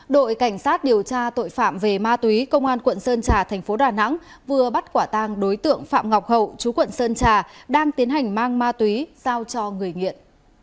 đội cảnh sát điều tra tội phạm về ma túy công an quận sơn trà thành phố đà nẵng vừa bắt quả tàng đối tượng phạm ngọc hậu chú quận sơn trà đang tiến hành mang ma túy giao cho người nghiện